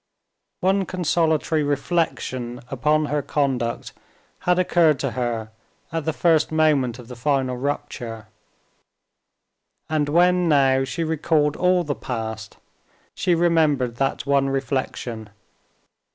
One consolatory reflection upon her conduct had occurred to her at the first moment of the final rupture, and when now she recalled all the past, she remembered that one reflection.